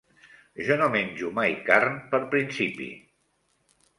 Jo no menjo mai carn per principi.